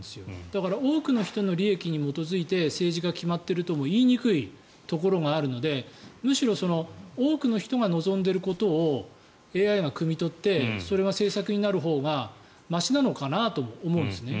だから多くの人の利益に基づいて政治が決まっているとも言いにくいところがあるのでむしろ、多くの人が望んでいることをＡＩがくみ取ってそれが政策になるほうがましなのかなとも思うんですね。